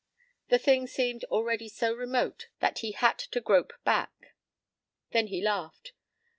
p> The thing seemed already so remote that he had to grope back. Then he laughed.